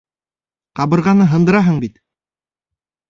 Ҡабырғаны һындыраһың бит!